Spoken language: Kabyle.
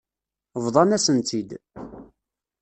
Bḍan-asen-tt-id.